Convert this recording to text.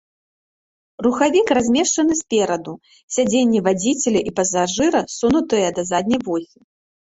Рухавік размешчаны спераду, сядзенні вадзіцеля і пасажыра ссунутыя да задняй восі.